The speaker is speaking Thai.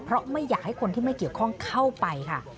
เพราะไม่อยากให้คนที่ไม่เกี่ยวข้องเข้าไปค่ะ